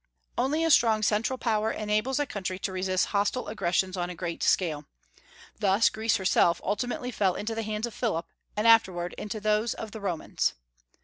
Only a strong central power enables a country to resist hostile aggressions on a great scale. Thus Greece herself ultimately fell into the hands of Philip, and afterward into those of the Romans.